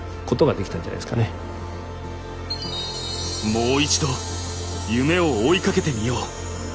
「もう一度夢を追いかけてみよう」。